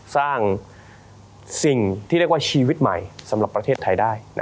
สร้างสิ่งที่เรียกว่าชีวิตใหม่สำหรับประเทศไทยได้